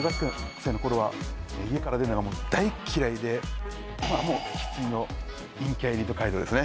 生の頃は家から出るのがもう大っ嫌いでまあもう生粋の陰キャエリート街道ですね